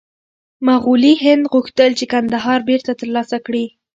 مغولي هند غوښتل چې کندهار بېرته ترلاسه کړي.